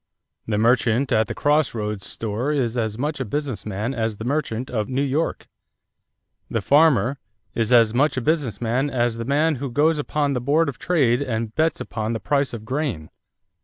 The merchant at the cross roads store is as much a business man as the merchant of New York. The farmer ... is as much a business man as the man who goes upon the board of trade and bets upon the price of grain.